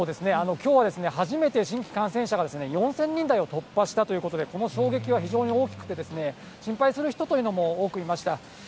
きょうは初めて新規感染者が４０００人台を突破したということで、この衝撃は非常に大きくて、心配する人というのも多くいました。